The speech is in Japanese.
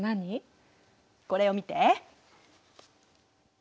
これを見て。